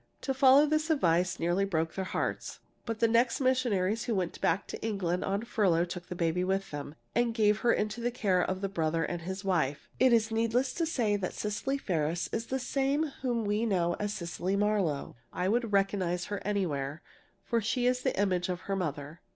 To follow this advice nearly broke their hearts, but the next missionaries who went back to England on furlough took the baby with them, and gave her into the care of the brother and his wife. It is needless to say that Cecily Ferris is the same whom we know as Cecily Marlowe. I would recognize her anywhere, for she is the image of her mother."